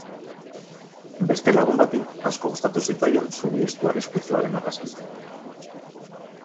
Beste lagun bati asko gustatu zitzaion zubi estu arriskutsuaren argazkia.